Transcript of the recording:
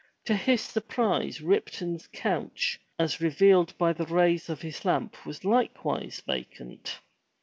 To his surprise Ripton's couch as revealed by the rays of his lamp was likewise vacant.